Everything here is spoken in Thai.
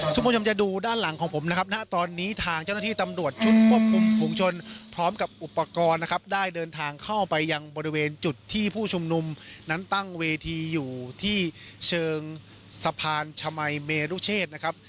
คุณผู้ชมจะดูด้านหลังของผมนะครับณตอนนี้ทางเจ้าหน้าที่ตำรวจชุดควบคุมฝุงชนพร้อมกับอุปกรณ์นะครับได้เดินทางเข้าไปยังบริเวณจุดที่ผู้ชุมนุมนั้นตั้งเวทีอยู่ที่เชิงสะพานชมัยเมรุเชษนะครับ